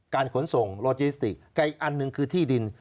ขนส่งโลจิสติกกับอีกอันหนึ่งคือที่ดิน